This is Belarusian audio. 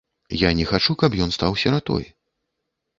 Я не хачу, каб ён стаў сіратой.